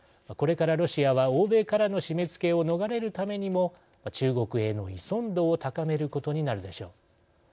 これからロシアは欧米からの締めつけを逃れるためにも中国への依存度を高めることになるでしょう。